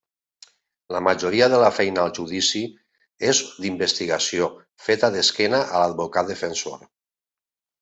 La majoria de la feina al judici és d'investigació, feta d'esquena a l'advocat defensor.